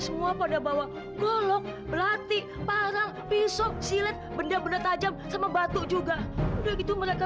semua pada bawa golok belatik parang pisau silet benda benda tajam sama batu juga udah gitu mereka